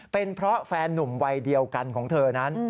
เป็นเพราะแฟนนุ่มวัยเดียวกันของเธอนั้น